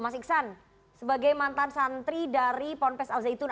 mas iksan sebagai mantan santri dari ponpes al zaitun